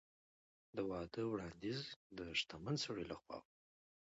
د واده وړاندیز د شتمن سړي له خوا و.